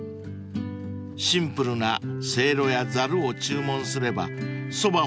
［シンプルなせいろやざるを注文すればそば